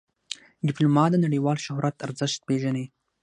ډيپلومات د نړیوال شهرت ارزښت پېژني.